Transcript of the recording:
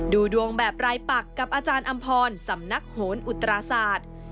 ดูดวงแบบรายปักกับอาจารย์อำพรสำนักโหนอุตราศาสตร์